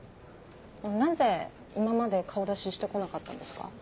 なぜ今まで顔出しして来なかったんですか？